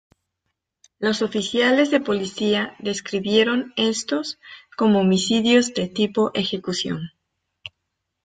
Los oficiales de policía describieron estos como homicidios de tipo ejecución.